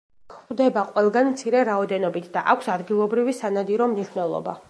გვხვდება ყველგან მცირე რაოდენობით და აქვს ადგილობრივი სანადირო მნიშვნელობა.